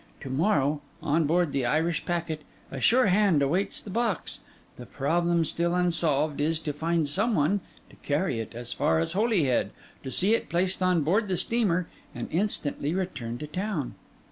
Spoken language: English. To morrow, on board the Irish packet, a sure hand awaits the box: the problem still unsolved, is to find some one to carry it as far as Holyhead, to see it placed on board the steamer, and instantly return to town.